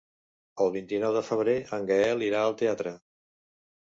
El vint-i-nou de febrer en Gaël irà al teatre.